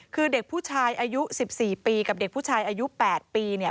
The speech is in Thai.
คือเด็กผู้ชายอายุ๑๔ปีกับเด็กผู้ชายอายุ๘ปีเนี่ย